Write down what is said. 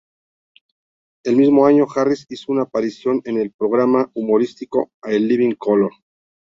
El mismo año, Harris hizo una aparición en el programa humorístico "In Living Color".